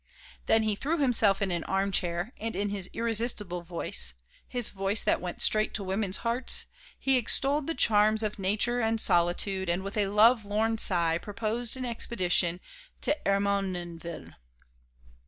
Then he threw himself in an armchair and in his irresistible voice, his voice that went straight to women's hearts, he extolled the charms of nature and solitude and with a lovelorn sigh proposed an expedition to Ermenonville.